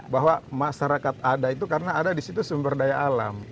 bahwa masyarakat ada itu karena ada di situ sumber daya alam